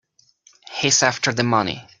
He's after the money.